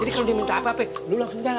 jadi kalo diminta apa apa lu langsung jalan